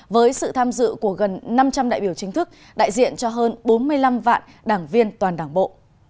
với sự tham dự của gần năm trăm linh đại biểu chính thức đại diện cho hơn bốn mươi năm vạn đảng viên toàn đảng bộ